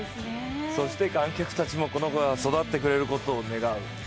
そして観客たちも、この子たちが育ってくれることを願う。